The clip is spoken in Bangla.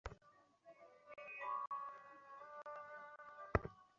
আসল কথা, ললিতা কিছুই চাপা দিয়া রাখিতে পারে না।